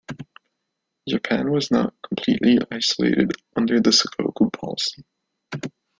Japan was not completely isolated under the "sakoku" policy.